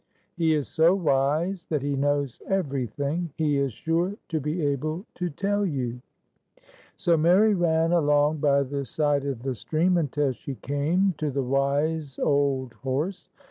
He is so wise that he knows everything. He is sure to be able to tell you. ,, So Mary ran along by the side of the stream, until she came to the wise old horse.